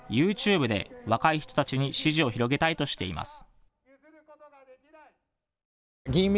ＹｏｕＴｕｂｅで若い人たちに支持を広げたいとしています。